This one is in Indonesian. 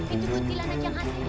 itu buntilan ajang asli